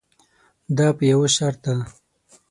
دا په یوه شرط ده.